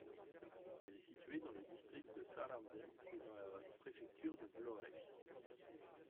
Elle est située dans le district de Sarandë et dans la préfecture de Vlorë.